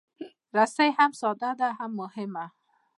رسۍ هم ساده ده، هم مهمه.